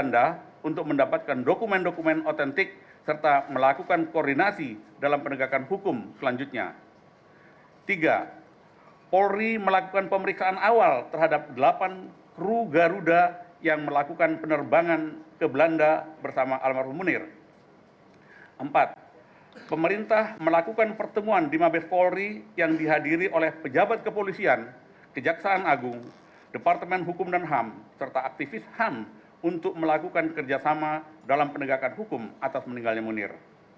departemen hukum dan ham serta aktivis ham untuk melakukan kerjasama dalam penegakan hukum atas meninggalnya munir